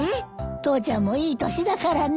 父ちゃんもいい年だからね。